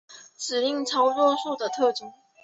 指令操作数的特征